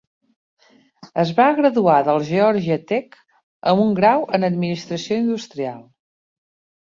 Es va graduar del Georgia Tech amb un grau en Administració industrial.